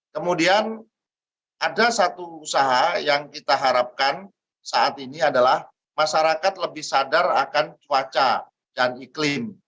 kemudian ada satu usaha yang kita harapkan saat ini adalah masyarakat lebih sadar akan cuaca dan iklim